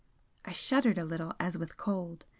I shuddered a little, as with cold.